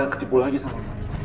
gue tuh udah gak percaya lagi sama lo